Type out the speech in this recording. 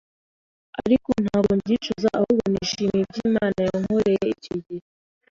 ariko ntago mbyicuza ahubwo nishimiye ibyo Imana yankoreye icyo gihe